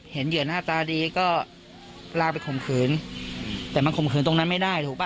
เหยื่อหน้าตาดีก็ลาไปข่มขืนแต่มันข่มขืนตรงนั้นไม่ได้ถูกป่